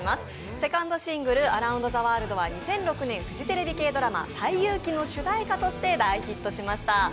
セカンドシングル「ＡｒｏｕｎｄＴｈｅＷｏｒｌｄ」は、２００年フジテレビ系ドラマ「西遊記」の主題歌として大ヒットしました。